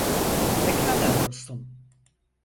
Pekâlâ dostum.